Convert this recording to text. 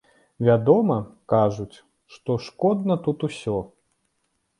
Вядома, кажуць, што шкодна тут усё.